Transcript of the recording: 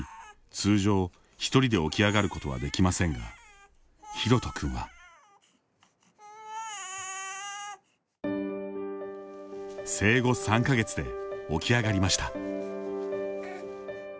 通常、一人で起き上がることはできませんが、ヒロト君は生後３か月で起き上がりました。